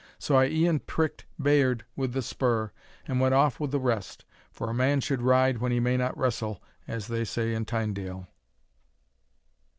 So I e'en pricked Bayard with the spur, and went off with the rest; for a man should ride when he may not wrestle, as they say in Tynedale."